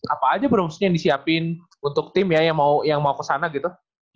apa aja bro maksudnya yang disiapin untuk tim ya yang mau kesana gitu